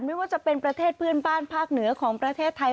ไม่ว่าจะเป็นประเทศเพื่อนบ้านภาคเหนือของประเทศไทย